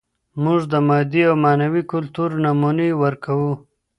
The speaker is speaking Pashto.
موږ د مادي او معنوي کلتور نمونې ورکوو.